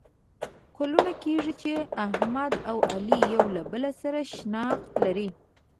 کلونه کېږي چې احمد او علي یو له بل سره شناخت لري.